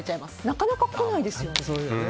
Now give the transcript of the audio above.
なかなか来ないですよね。